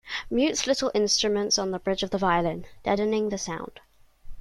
Mutes little instruments on the bridge of the violin, deadening the sound.